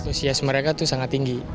antusias mereka itu sangat tinggi